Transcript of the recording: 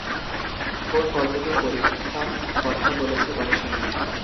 কোন পদ্ধতির পরীক্ষা কথা বলছে কমিশন?